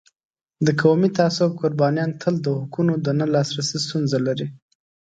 د قومي تعصب قربانیان تل د حقونو د نه لاسرسی ستونزه لري.